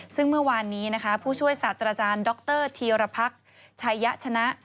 ซึ่งเมื่อวานนี้นะคะผู้ช่วยศาสตราจารย์ดรธีรพรรค์ชัยยะชนะ